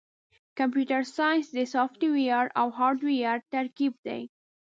کمپیوټر ساینس د سافټویر او هارډویر ترکیب دی.